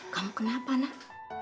kamu kenapa nak